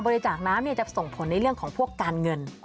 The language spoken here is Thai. จากน้ำจะส่งผลในเรื่องของพวกการเงิน